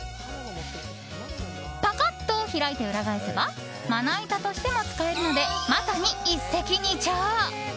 パカッと開いて裏返せばまな板としても使えるのでまさに一石二鳥。